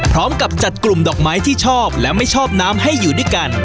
พร้อมกับจัดกลุ่มดอกไม้ที่ชอบและไม่ชอบน้ำให้อยู่ด้วยกัน